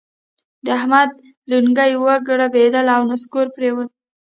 د احمد لېنګي وګړبېدل او نسکور پرېوت.